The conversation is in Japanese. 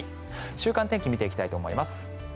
週間天気見ていきたいと思います。